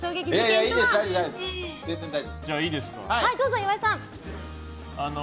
どうぞ、岩井さん。